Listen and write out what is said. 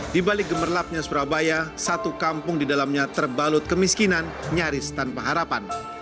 di balik gemerlapnya surabaya satu kampung di dalamnya terbalut kemiskinan nyaris tanpa harapan